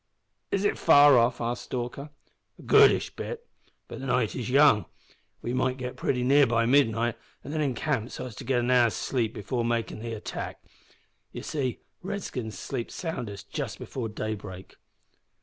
"Is it far off?" asked Stalker. "A goodish bit. But the night is young. We might git pretty near by midnight, and then encamp so as to git an hour's sleep before makin' the attack. You see, redskins sleep soundest just before daybreak."